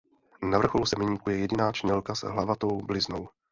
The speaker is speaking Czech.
Na vrcholu semeníku je jediná čnělka s hlavatou bliznou.